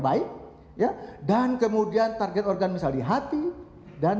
nah untuk mencapai dia mendapatkan biomarker atau monitor itu harus diperhatikan